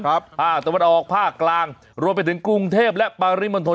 ภาคตะวันออกภาคกลางรวมไปถึงกรุงเทพและปริมณฑล